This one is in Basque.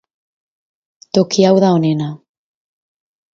Toki hau da onena.